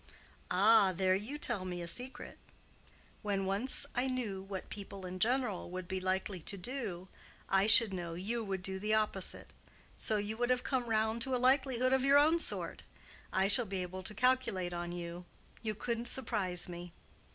"Ah, there you tell me a secret. When once I knew what people in general would be likely to do, I should know you would do the opposite. So you would have come round to a likelihood of your own sort. I shall be able to calculate on you. You couldn't surprise me."